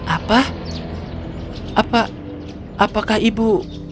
apa apa apakah ibu